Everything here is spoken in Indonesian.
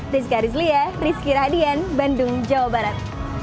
rizka rizlia rizky radian bandung jawa barat